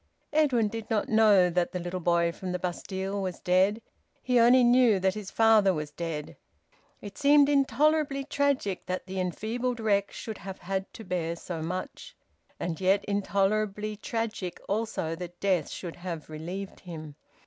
Edwin did not know that the little boy from the Bastille was dead. He only knew that his father was dead. It seemed intolerably tragic that the enfeebled wreck should have had to bear so much, and yet intolerably tragic also that death should have relieved him.